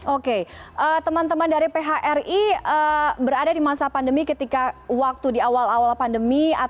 oke teman teman dari phri berada di masa pandemi ketika waktu di awal awal pandemi